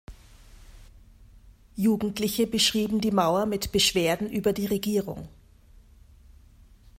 Jugendliche beschrieben die Mauer mit Beschwerden über die Regierung.